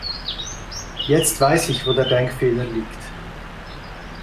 Jetzt weiß ich, wo der Denkfehler liegt.